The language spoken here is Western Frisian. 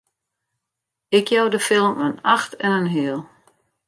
Ik jou de film in acht en in heal!